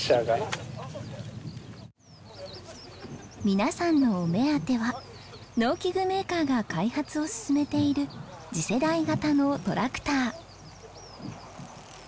皆さんのお目当ては農機具メーカーが開発を進めている次世代型のトラクター。